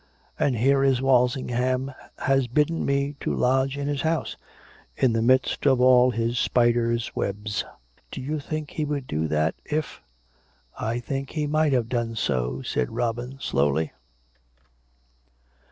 And here is Walsingham has bidden me to lodge in his house, in the midst of all his spider's webs. Do you think he would do that if "" I think he might have done so," said Robin slowly.